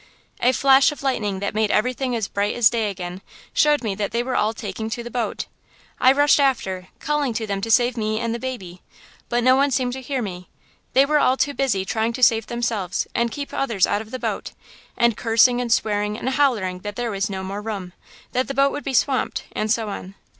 "A flash of lightning that made everything as bright as day again showed me that they were all taking to the boat. I rushed after, calling to them to save me and the baby. But no one seemed to hear me; they were all too busy trying to save themselves and keep others out of the boat, and cursing and swearing and hollering that there was no more room, that the boat would be swamped, and so on.